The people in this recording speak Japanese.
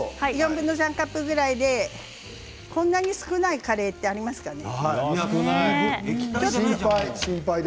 ４分の３カップぐらいでこんなに少ないカレーってありますかね。